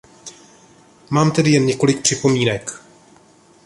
Mám tedy jen několik připomínek.